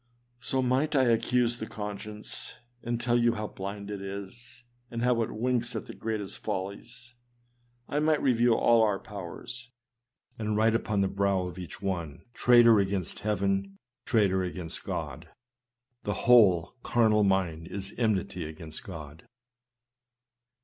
So might I accuse the conscience, and tell you how blind it is, and how it winks at the greatest follies. I might review all our powers, and write upon the brow of each one, " Traitor against heaven! traitor against God!" The whole " carnal mind is enmity against God."